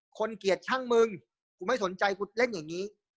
เกลียดช่างมึงกูไม่สนใจกูเล่นอย่างนี้